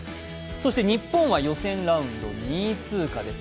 そして日本は予選ラウンド２位通過です。